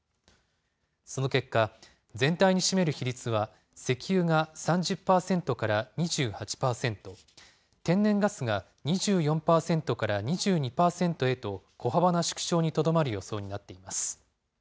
その結果、全体に占める比率は、石油が３０％から２８％、天然ガスが２４％から２２％へと、小幅な縮小にとどまる予想になっています。